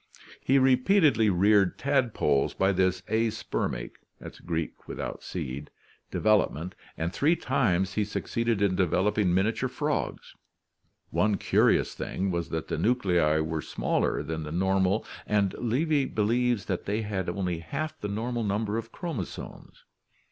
He repeatedly reared tadpoles by this aspermic (Gr. a without, and airepfia, seed) development, and three times he succeeded in developing miniature frogs. One curious thing was that the nuclei were smaller than the normal and Levy believes that they had only half the normal number of chromo somes.